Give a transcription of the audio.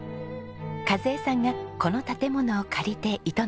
和枝さんがこの建物を借りて営んでいます。